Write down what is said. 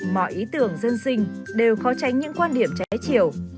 mọi ý tưởng dân sinh đều khó tránh những quan điểm trái chiều